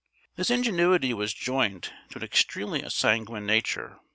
This ingenuity was joined to an extremely sanguine nature.